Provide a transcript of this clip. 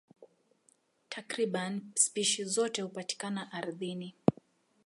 Takriban spishi zote hupatikana ardhini.